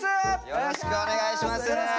よろしくお願いします。